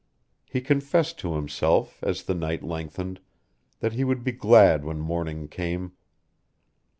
He confessed to himself, as the night lengthened, that he would be glad when morning came.